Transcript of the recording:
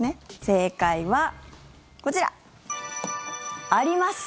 正解は、こちら。